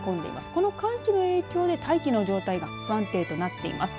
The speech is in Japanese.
この寒気の影響で大気の状態が不安定となっています。